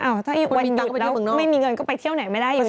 ถ้าวันหยุดแล้วไม่มีเงินก็ไปเที่ยวไหนไม่ได้ยังไง